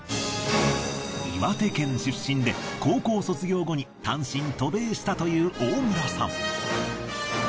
岩手県出身で高校卒業後に単身渡米したという大村さん。